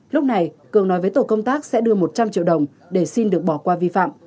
lúc này cường nói với tổ công tác sẽ đưa một trăm linh triệu đồng để xin được bỏ qua vi phạm